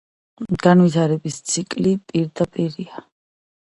განვითარების ციკლი პირდაპირია.